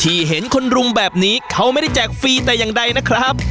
เห็นคนรุมแบบนี้เขาไม่ได้แจกฟรีแต่อย่างใดนะครับ